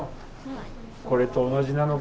これと同じなのか？